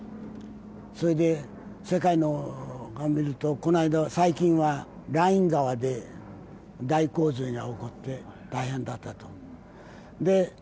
それで世界を見ると、最近はライン川で大洪水が起こって大変だったと。